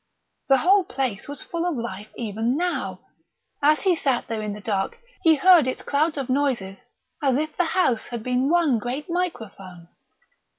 The whole place was full of life even now; as he sat there in the dark he heard its crowds of noises as if the house had been one great microphone....